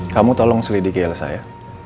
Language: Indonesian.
kamu tolong selidiki elsa ya